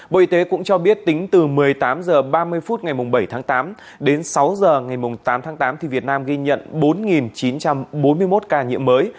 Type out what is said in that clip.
bộ y tế cũng cho biết tính từ một mươi tám h ba mươi phút ngày bảy tháng tám đến sáu h ngày tám tháng tám việt nam ghi nhận bốn chín trăm bốn mươi một ca nhiễm mới